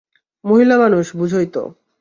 মহিলা মানুষ, বুঝোই তো?